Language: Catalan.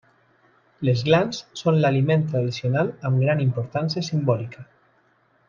Les glans són l'aliment tradicional amb gran importància simbòlica.